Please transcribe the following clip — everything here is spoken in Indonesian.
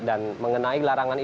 dan mengenai larangan